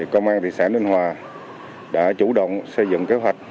công an thị xã ninh hòa đã chủ động xây dựng kế hoạch